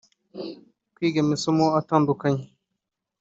kwiga amasomo atandukanye